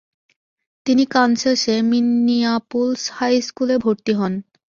তিনি কান্সাসে Minneapolis high স্কুলে ভর্তি হন।